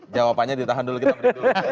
jawabannya ditahan dulu kita break dulu